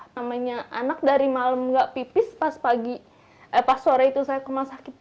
namanya anak dari malam gak pipis pas pagi eh pas sore itu saya ke rumah sakit